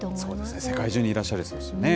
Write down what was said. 世界中にいらっしゃる人ですよね。